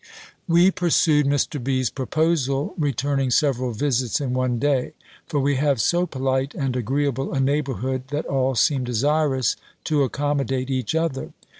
We pursued Mr. B.'s proposal, returning several visits in one day; for we have so polite and agreeable a neighbourhood, that all seem desirous to accommodate each other.